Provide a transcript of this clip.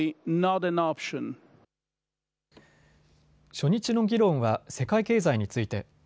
初日の議論は世界経済について。